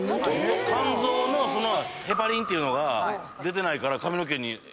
肝臓のヘパリンっていうのが出てないから髪の毛に影響してるって。